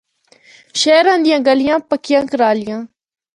شہرا دیاں گلیاں پکیاں کرالیاں۔